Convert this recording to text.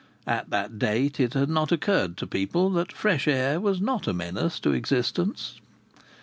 At that date it had not occurred to people that fresh air was not a menace to existence.